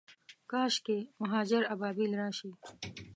کاشکي، مهاجر ابابیل راشي